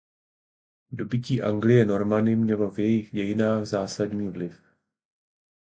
Dobytí Anglie Normany mělo v jejích dějinách zásadní vliv.